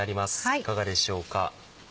いかがでしょうか？